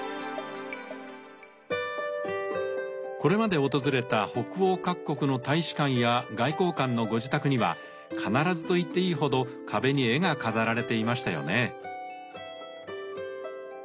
これまで訪れた北欧各国の大使館や外交官のご自宅には必ずといっていいほど壁に絵が飾られていましたよね。